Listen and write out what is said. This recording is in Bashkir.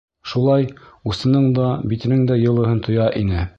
Шулай усының да, битенең дә йылыһын тоя ине.